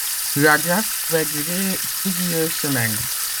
La drave pouvait durer plusieurs semaines.